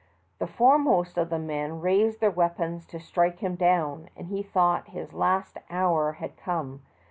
The foremost of the men raised their weapons to strike him down, and he thought his last hour had eome.